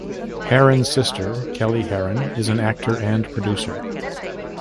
Harron's sister, Kelley Harron, is an actor and producer.